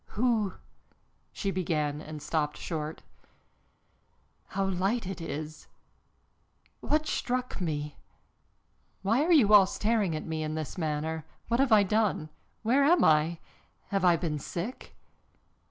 "Who " she began and stopped short. "How light it is! What struck me? Why are you all staring at me in this manner? What have I done? Where am I? Have I been sick?"